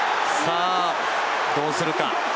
どうするか。